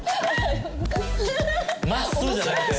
「ます」じゃなくて？